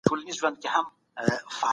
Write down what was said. يو تر صفر لوی دئ.